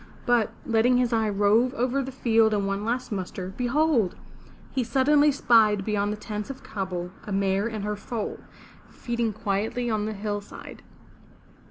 But, letting his eye rove over the field in one last muster, behold! he suddenly spied beyond the tents of Kabul, a a mare and her foal, feeding quietly on the hillside.